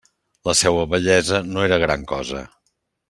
La seua bellesa no era gran cosa.